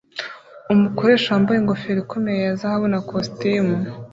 Umukoresha wambaye ingofero ikomeye ya zahabu na kositimu